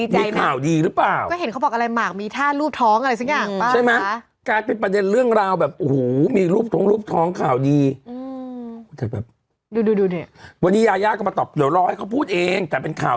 แต่เราก็แอบดีใจนะว่าอย่างไรมีข่าวดีหรือเปล่า